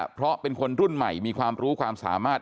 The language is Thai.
เพราะเป็นคนรุ่นใหม่มีความรู้ความสามารถ